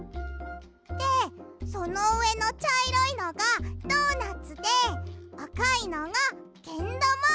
でそのうえのちゃいろいのがドーナツであかいのがけんだま。